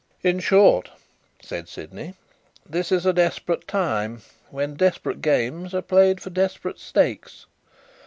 "In short," said Sydney, "this is a desperate time, when desperate games are played for desperate stakes.